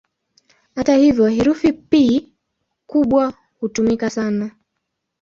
Hata hivyo, herufi "P" kubwa hutumika sana.